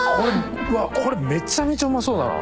うわこれめちゃめちゃうまそうだな。